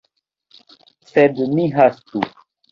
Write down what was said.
Sed ni hastu.